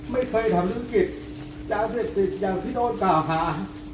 ไม่เคยทำลังกิจยาวเสร็จติดยาวที่โดนกล่าวค้า